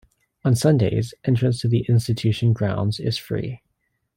On Sundays, entrance to the Institution grounds is free.